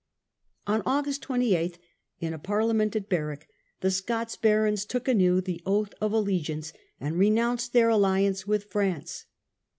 On August 28, in a parliament at Berwick, the Scots barons took anew the oath of allegiance, and renounced their alliance with France.